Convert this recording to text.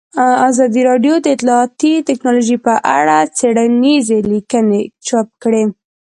ازادي راډیو د اطلاعاتی تکنالوژي په اړه څېړنیزې لیکنې چاپ کړي.